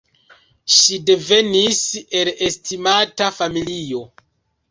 Ŝi devenis el estimata familio.